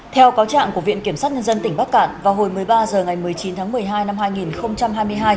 theo cáo trạng của viện kiểm sát nhân dân tỉnh bắc cạn vào hồi một mươi ba h ngày một mươi chín tháng một mươi hai năm hai nghìn hai mươi hai